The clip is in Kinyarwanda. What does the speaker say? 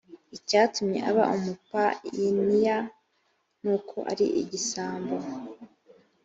icyatumye aba umupayiniya nuko arigisambo